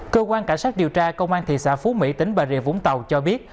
cơ quan cảnh sát điều tra công an thị xã phú mỹ tỉnh bà rịa vũng tàu cho biết